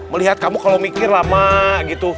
melihat kamu kalau mikir lama gitu